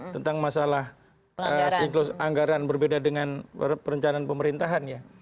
tentang masalah siklus anggaran berbeda dengan perencanaan pemerintahan ya